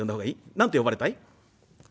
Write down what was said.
何て呼ばれたい？」。